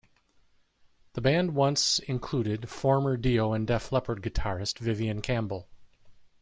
The band once included former Dio and Def Leppard guitarist Vivian Campbell.